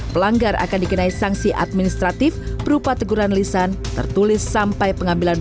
pelanggar akan dikenai sanksi administratif berupa teguran lisan tertulis sampai pengambilan